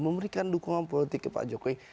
memberikan dukungan politik ke pak jokowi